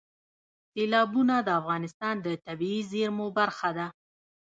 سیلابونه د افغانستان د طبیعي زیرمو برخه ده.